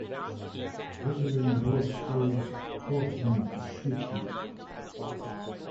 Veteran George Scales taught him to switch hit.